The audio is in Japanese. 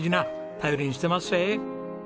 頼りにしてまっせ！